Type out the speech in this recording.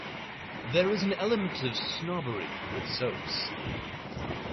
There is an element of snobbery with soaps.